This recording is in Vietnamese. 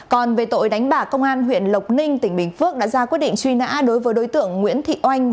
còn về tội đánh bạc công an huyện lộc ninh tỉnh bình phước đã ra quyết định truy nã đối với đối tượng nguyễn thị oanh